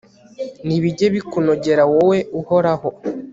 nibijye bikunogera wowe uhoraho